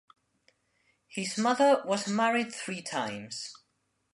His mother was married three times.